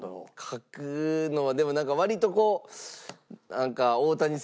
書くのはでもなんか割とこう。